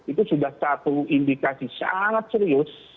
itu sudah satu indikasi sangat serius